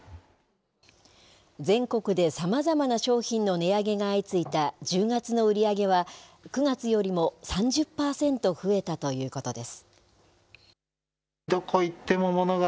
全国でさまざまな商品の値上げが相次いだ１０月の売り上げは、９月よりも３０％増えたということです。